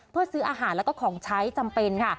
เพื่อซื้ออาหารแล้วก็ของใช้จำเป็นค่ะ